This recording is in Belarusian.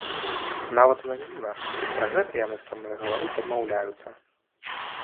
Нават ананімна пра гэта яны са мной гаварыць адмаўляюцца.